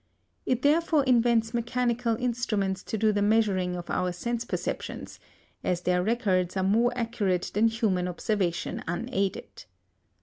It therefore invents mechanical instruments to do the measuring of our sense perceptions, as their records are more accurate than human observation unaided.